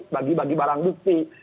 bagi bagi barang bukti